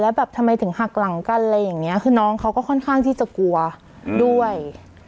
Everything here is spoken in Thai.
แบบทำไมถึงหักหลังกันอะไรอย่างนี้คือน้องเขาก็ค่อนข้างที่จะกลัวด้วย